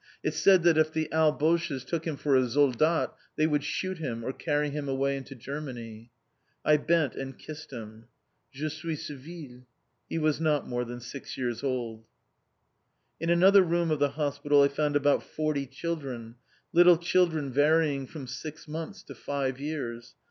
It said that if the "Alboches" took him for a soldat, they would shoot him, or carry him away into Germany.... I bent and kissed him. "Je suis civil!" He was not more than six years old. In another room of the hospital I found about forty children, little children varying from six months to five years.